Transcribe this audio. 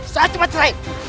saya cuma cerai